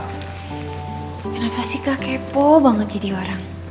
kenapa sih kak kepo banget jadi orang